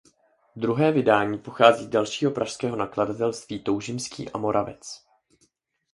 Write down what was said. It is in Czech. Druhé vydání pochází z dalšího pražského nakladatelství Toužimský a Moravec.